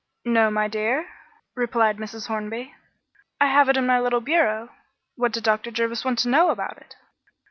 "No, my dear," replied Mrs. Hornby. "I have it in my little bureau. What did Dr. Jervis wish to know about it?"